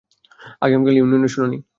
আগামীকাল ইউনিয়নের শুনানি।